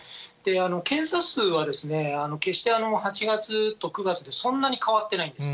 検査数は決して８月と９月でそんなに変わってないんです。